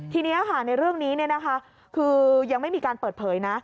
ทีนี้ในเรื่องนี้คือยังไม่มีการเปิดเผยนะ